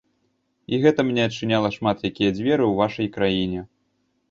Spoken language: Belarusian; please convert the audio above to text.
І гэта мне адчыняла шмат якія дзверы ў вашай краіне.